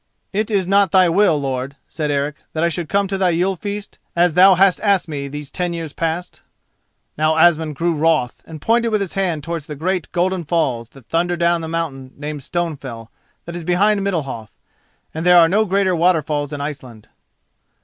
"It is not thy will, lord," said Eric, "that I should come to thy Yule feast as thou hast asked me these ten years past?" Now Asmund grew wroth, and pointed with his hand towards the great Golden Falls that thunder down the mountain named Stonefell that is behind Middalhof, and there are no greater water falls in Iceland.